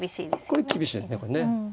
これ厳しいですね。